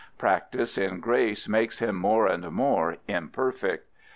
Practice in grace makes him more and more imperfect.